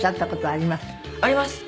あります。